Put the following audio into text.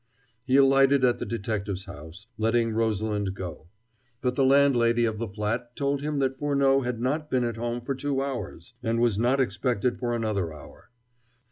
He alighted at the detective's house, letting Rosalind go. But the landlady of the flat told him that Furneaux had not been at home for two hours, and was not expected for another hour.